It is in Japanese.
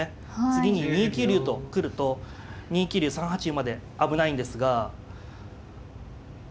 次に２九竜と来ると２九竜３八馬で危ないんですが。